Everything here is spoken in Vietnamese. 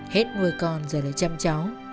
hết một mươi con rồi lại chăm cháu